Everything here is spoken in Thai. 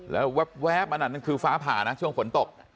แล้วแว๊บอันนั้นคือฟ้าผ่านะช่วงฝนตก